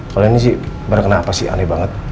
kalian ini sih berkenaan apa sih aneh banget